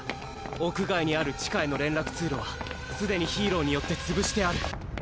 屋外にある地下への連絡通路は既にヒーローによって潰してある。